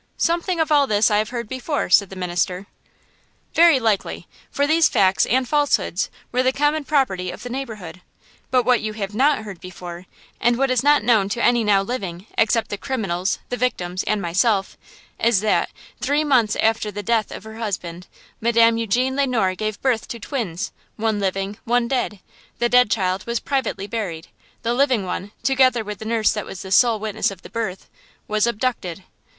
"Something of all this I have heard before," said the minister. "Very likely, for these facts and falsehoods were the common property of the neighborhood. But what you have not heard before, and what is not known to any now living, except the criminals, the victims and myself, is that, three months after the death of her husband, Madame Eugene Le Noir gave birth to twins–one living, one dead. The dead child was privately buried; the living one, together with the nurse that was the sole witness of the birth, was abducted."